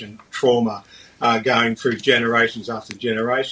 yang berlalu dari generasi ke generasi